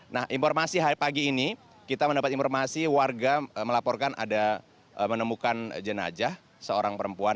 nah informasi pagi ini kita mendapat informasi warga melaporkan ada menemukan jenajah seorang perempuan